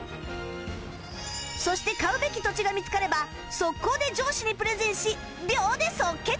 そして買うべき土地が見つかれば即行で上司にプレゼンし秒で即決！